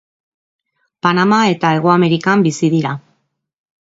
Panama eta Hego Amerikan bizi dira.